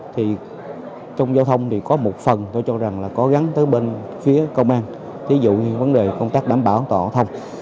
thì trong giao thông thì có một phần tôi cho rằng là có gắn tới bên phía công an ví dụ như vấn đề công tác đảm bảo an toàn giao thông